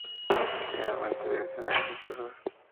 Generalmente de escenas religiosas.